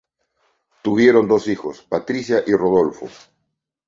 Tuvieron dos hijos: Patricia y Rodolfo.